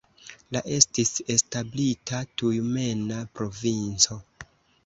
La estis establita Tjumena provinco.